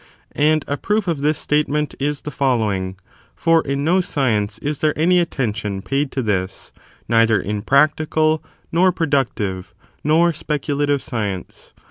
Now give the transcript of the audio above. ^ 2. Practical And a proof of this statement is the following; from'houw" for i^ ^^ scieuco is there any attention paid to this, buuding ; neither in practical, nor productive, nor specula tive science.